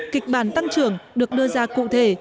kịch bản tăng trưởng được đưa ra cụ thể